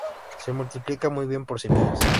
Se multiplica muy bien por semillas.